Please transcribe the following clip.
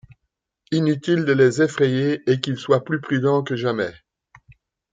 Inutile de les effrayer, et qu’ils soient plus prudents que jamais...